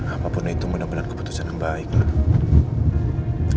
apapun itu menempat keputusan yang baiklah